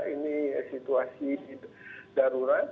ini situasi darurat